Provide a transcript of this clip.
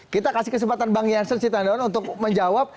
kita kasih kesempatan bang yansen sita handawan untuk menjawab